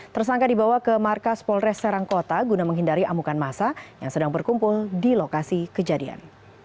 tersangka dibawa ke markas polres serangkota guna menghindari amukan masa yang sedang berkumpul di lokasi kejadian